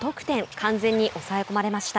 完全に抑え込まれました。